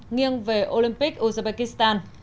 nghiêng về olympic uzbekistan